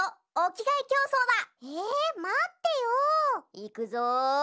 いくぞ！